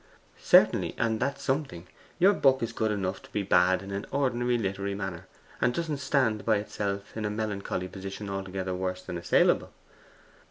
'Certainly: and that's something. Your book is good enough to be bad in an ordinary literary manner, and doesn't stand by itself in a melancholy position altogether worse than assailable.